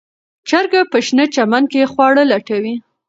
چرګه په شنه چمن کې خواړه لټوي.